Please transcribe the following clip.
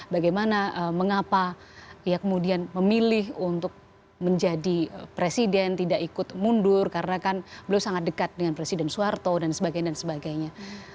bagaimana mengapa ia kemudian memilih untuk menjadi presiden tidak ikut mundur karena kan beliau sangat dekat dengan presiden soeharto dan sebagainya